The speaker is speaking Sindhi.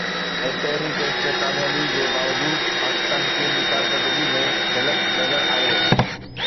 ۽ پهرين ٽيسٽ ۾ ڪاميابي جي باوجود پاڪستاني ٽيم جي ڪارڪردگيءَ ۾ جھلڪ نظر آئي